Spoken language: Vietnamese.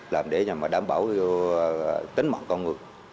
làm để mà đảm bảo tính mạng con người